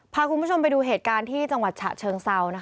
พาคุณผู้ชมไปดูเหตุการณ์ที่จังหวัดฉะเชิงเซา